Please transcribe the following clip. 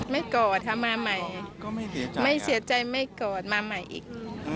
ไม่เกาะถ้ามาใหม่ไม่เสียใจไม่เกาะมาใหม่อีก